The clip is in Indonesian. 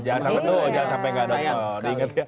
jangan sampai tuh jangan sampai gak nonton